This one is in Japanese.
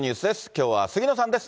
きょうは杉野さんです。